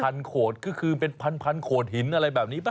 โขดก็คือเป็นพันพันโขดหินอะไรแบบนี้ป่